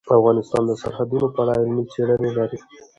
افغانستان د سرحدونه په اړه علمي څېړنې لري.